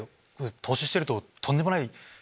投資してるととんでもない。